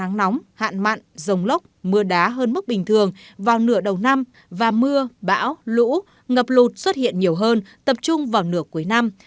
nắng nóng hạn mặn rồng lốc mưa đá hơn mức bình thường vào nửa đầu năm và mưa bão lũ ngập lụt xuất hiện nhiều hơn tập trung vào nửa cuối năm